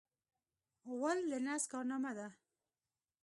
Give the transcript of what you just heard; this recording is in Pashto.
غول د نس کارنامه ده.